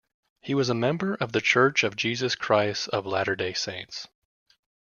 He was a member of the Church of Jesus Christ of Latter-day Saints.